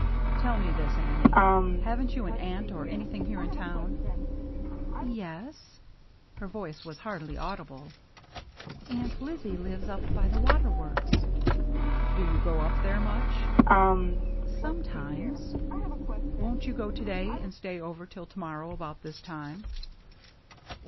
"Tell me this, Annie, — haven't you an aunt or anything here in town?" "Yes," — her voice was hardly audible. DRAWING TOGETHER 179 —" Aunt Lizzie lives up by the water works." " Do you go up there much ?"" Sometimes." •* Won't you go to day, and stay over till to morrow about this time